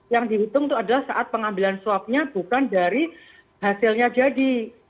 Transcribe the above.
yang dihitung itu adalah saat pengambilan swabnya bukan dari hasilnya jadi